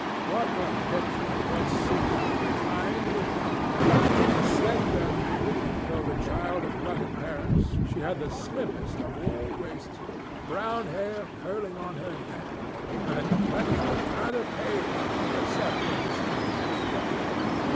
What a picture was Susan behind the counter! A slender maiden, though the child of rugged parents, she had the slimmest of all waists, brown hair curling on her neck, and a complexion rather pale except when the sea breeze flushed it.